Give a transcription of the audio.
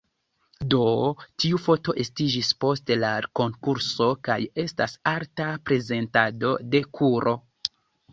Do, tiu foto estiĝis post la konkurso kaj estas arta prezentado de kuro.